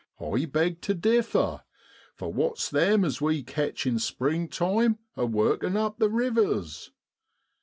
I beg to differ, for what's them as we catch in springtime a working up the rivers